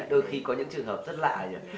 đôi khi có những trường hợp rất lạ